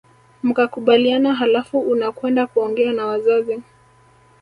Mkakubaliana halafu unakwenda kuongea na wazazi